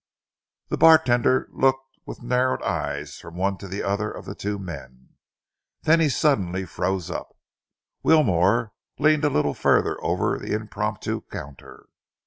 The bartender looked with narrowed eyes from one to the other of the two men. Then he suddenly froze up. Wilmore leaned a little further over the impromptu counter.